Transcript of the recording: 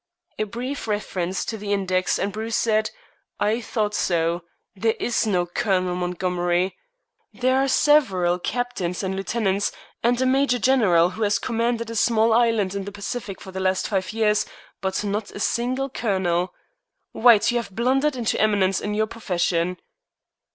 A brief reference to the index, and Bruce said: "I thought so. There is no Colonel Montgomery. There are several captains and lieutenants, and a Major General who has commanded a small island in the Pacific for the last five years, but not a single colonel. White, you have blundered into eminence in your profession."